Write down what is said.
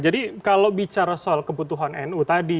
jadi kalau bicara soal kebutuhan nu tadi